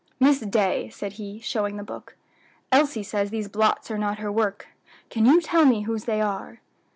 "Miss Day," said he, showing the book, "Elsie says these blots are not her work; can you tell me whose they are?"